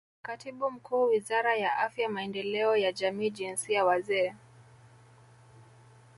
Katibu Mkuu Wizara ya Afya Maendeleo ya Jamii Jinsia Wazee